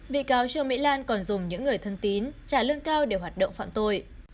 bị cáo trương mỹ lan còn dùng những người thân tín trả lương cao để hoạt động phạm tội